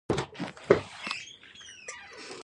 نورستان د افغانستان د پوهنې نصاب کې شامل دي.